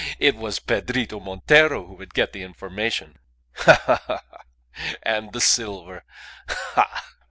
It was Pedrito Montero who would get the information. Ha! ha! ha! ha! and the silver. Ha!